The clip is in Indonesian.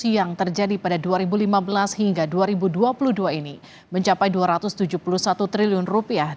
yang terjadi pada dua ribu lima belas hingga dua ribu dua puluh dua ini mencapai dua ratus tujuh puluh satu triliun rupiah